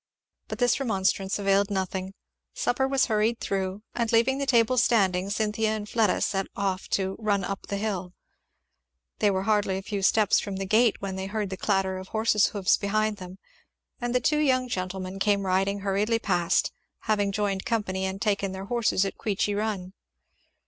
But this remonstrance availed nothing. Supper was hurried through, and leaving the table standing Cynthia and Fleda set off to "run up the hill." They were hardly a few steps from the gate when they heard the clatter of horses' hoofs behind them, and the two young gentlemen came riding hurriedly past, having joined company and taken their horses at Queechy Run.